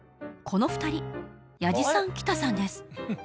この２人弥次さん喜多さんです